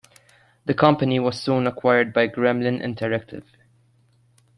The company was soon acquired by Gremlin Interactive.